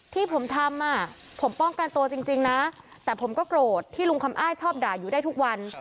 ที่ผมทำผมป้องกันตัวจริงนะแต่ผมก็โกรธที่ลุงคำอ้ายชอบด่าอยู่ได้ทุกวัน